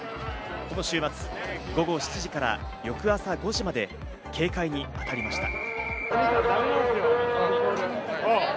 この週末、午後７時から翌朝５時まで警戒にあたりました。